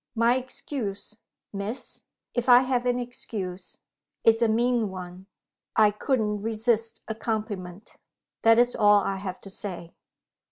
My excuse, Miss (if I have an excuse) is a mean one I couldn't resist a compliment. That is all I have to say."